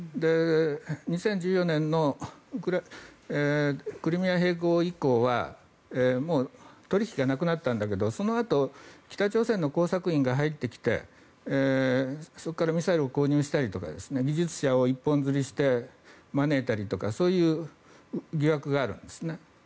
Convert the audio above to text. ２０１４年のクリミア併合以降はもう取引がなくなったんだけどそのあと北朝鮮の工作員が入ってきてそこからミサイルを購入したりとか技術者を一本釣りして招いたりとかそういう疑惑があるんです。